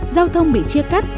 giao thông bị chia cắt